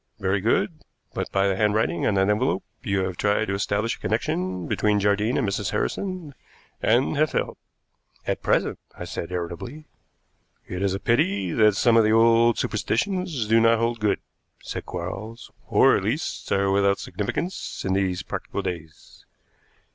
Very good, but by the handwriting on that envelope you have tried to establish a connection between Jardine and Mrs. Harrison, and have failed." "At present," I said irritably. "It is a pity that some of the old superstitions do not hold good," said Quarles, "or at least are without significance in these practical days.